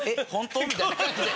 みたいな感じで。